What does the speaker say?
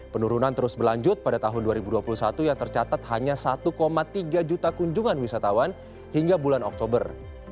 penurunan terus berlanjut pada tahun dua ribu dua puluh satu yang tercatat hanya satu tiga juta kunjungan wisatawan hingga bulan oktober